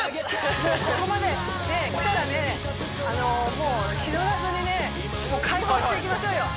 もうここまできたらねもう気取らずにね解放していきましょうよ